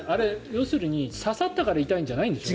要するに刺さったから痛いんじゃないんでしょ？